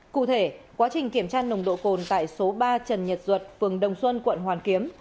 cụ thể quá trình kiểm tra nồng độ cồn tại số ba trần nhật duật phường đồng xuân quận hoàn kiếm